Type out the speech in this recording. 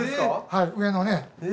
はい上のね。